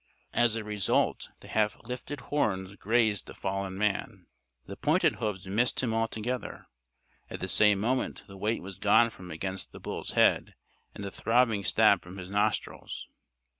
As a result, the half lifted horns grazed the fallen man. The pointed hoofs missed him altogether. At the same moment the weight was gone from against the bull's head, and the throbbing stab from his nostrils.